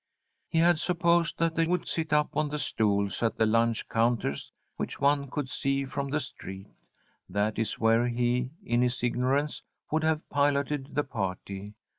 He had supposed that they would sit up on the stools at the lunch counters which one could see from the street. That is where he, in his ignorance, would have piloted the party.